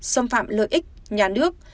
xâm phạm lợi ích nhà nước